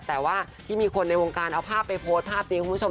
แต่ว่าที่มีคนในวงการเอาภาพไปโพสต์ภาพนี้คุณผู้ชม